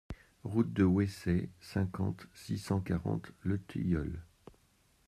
Route de Houessey, cinquante, six cent quarante Le Teilleul